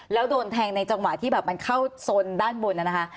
แล้วโดนแทงในจังหวะที่แบบมันเข้าโซนด้านบนนะคะ